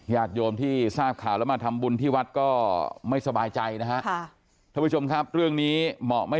ยาดโยมที่ทราบข่าวและมาทำบุญที่วัดก็ไม่สบายใจนะคะ